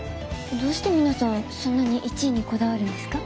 どうして皆さんそんなに１位にこだわるんですか？